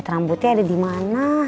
rambutnya ada di mana